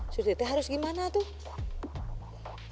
surti teh harus gimana tuh